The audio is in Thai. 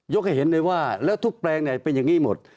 ให้เห็นเลยว่าแล้วทุกแปลงเนี่ยเป็นอย่างนี้หมด